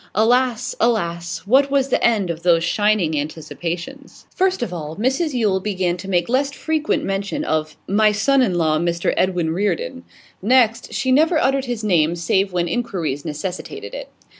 Alas! alas! What was the end of those shining anticipations? First of all, Mrs Yule began to make less frequent mention of 'my son in law, Mr Edwin Reardon.' Next, she never uttered his name save when inquiries necessitated it.